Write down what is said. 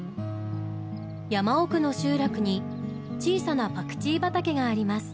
山奥の集落に小さなパクチー畑があります。